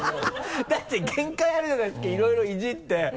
だって限界あるじゃないですかいろいろイジって。